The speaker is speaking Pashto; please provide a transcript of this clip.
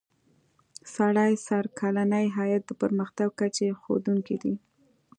سړي سر کلنی عاید د پرمختګ کچې ښودونکی دی.